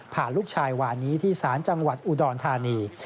ผ่านลูกชายหวานี้ที่ศาลจังหวัดอูดออนธานี